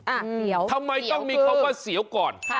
เสียวทำไมต้องมีคำว่าเสียวก่อน